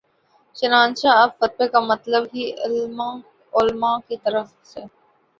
چنانچہ اب فتوے کا مطلب ہی علما کی طرف سے